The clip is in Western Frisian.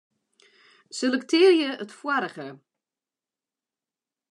Selektearje it foarige.